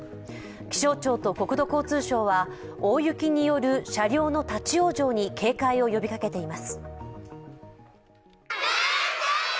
気象庁と国土交通省は大雪による車両の立往生に警戒を呼びかけています。